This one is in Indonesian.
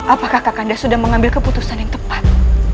apakah kakanda sudah mengambil keputusan yang tepat